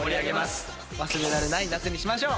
忘れられない夏にしましょう！